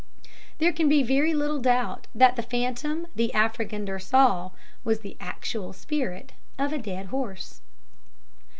There can be very little doubt that the phantom the Afrikander saw was the actual spirit of a dead horse.